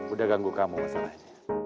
udah ganggu kamu masalahnya